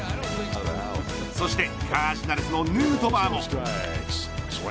そしてカージナルスのヌートバーも。